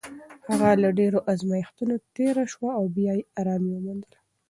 هغه له ډېرو ازمېښتونو تېره شوه او بیا یې ارامي وموندله.